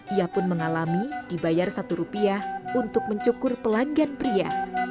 ia pun mengalami dibayar satu rupiah untuk mencukur pelanggan pria